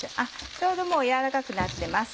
ちょうどもう軟らかくなってます。